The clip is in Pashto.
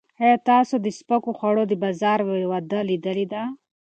ایا تاسو د سپکو خوړو د بازار وده لیدلې ده؟